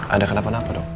ada kenapa napa dok